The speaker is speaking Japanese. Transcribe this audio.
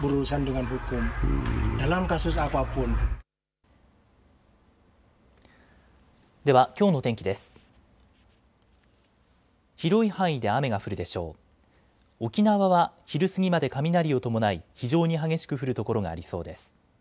沖縄は昼過ぎまで雷を伴い非常に激しく降る所がありそうです。